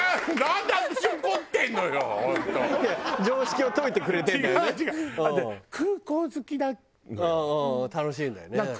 常識を説いてくれてるんだよね。